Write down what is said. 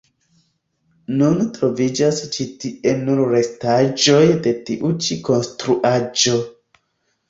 Nun troviĝas ĉi tie nur restaĵoj de tiu ĉi konstruaĵo.